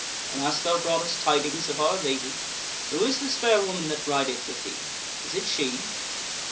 and has thou brought us tidings of our Lady? Who is this fair woman that rideth with thee? Is it she?"